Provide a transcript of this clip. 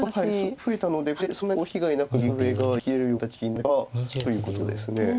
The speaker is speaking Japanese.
増えたのでこれでそんなに被害なく右上が生きれるような形になればということです。